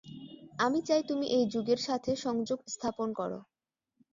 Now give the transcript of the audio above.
আমি চাই তুমি এই যুগের সাথে সংযোগ স্থাপন কর।